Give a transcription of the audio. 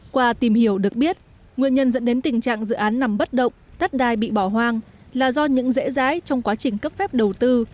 qua tìm hiểu được biết nguyên nhân dẫn đến tình trạng dự án nằm bất động đất đai bị bỏ hoang là do những rễ rái trong quá trình cấp phép đầu tư